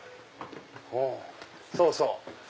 そうそう！